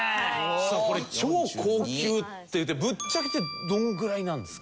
さあこれ「超高級」ってぶっちゃけてどのぐらいなんですか？